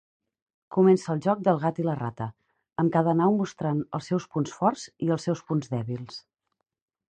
Comença el joc del gat i la rata, amb cada nau mostrant els seus punts forts i els seus punts dèbils.